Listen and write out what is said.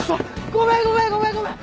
ごめんごめんごめんごめん！